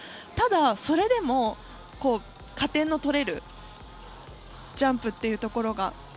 ただ、それでも加点の取れるジャンプというところが。